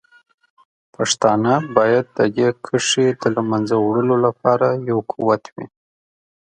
پښتانه باید د دې کرښې د له منځه وړلو لپاره یو قوت وي.